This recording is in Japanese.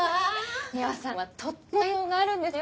美羽さんはとっても才能があるんですよ。